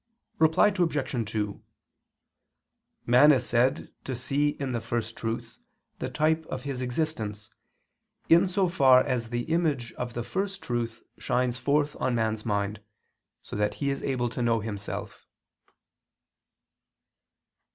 Reply Obj. 2: Man is said to see in the First Truth the type of his existence, in so far as the image of the First Truth shines forth on man's mind, so that he is able to know himself.